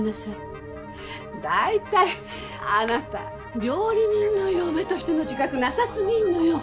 大体あなた料理人の嫁としての自覚なさすぎるのよ。